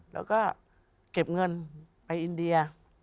แล้วก็เก็บเงินไปอินเดีย